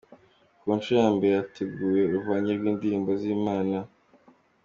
mikino igiye kuzenguruka uturere dutandukanye tw’igihugu aho amakipe i Kigali mu